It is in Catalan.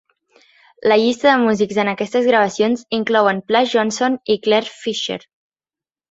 La llista de músics en aquestes gravacions inclouen Plas Johnson i Clare Fischer.